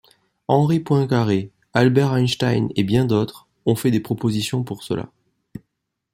Henri Poincaré, Albert Einstein et bien d'autres ont fait des propositions pour cela.